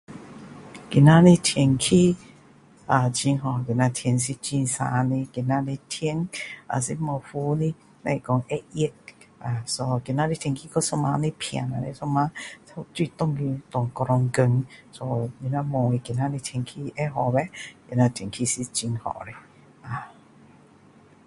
今天的天气啊很好今天的天是很晴朗的今天的天是没有云的只是说会热啊 so 今天的天气和昨天的对比昨天就是下雨下一整天 so 你问我今天的天气会好吗天气是很好的啊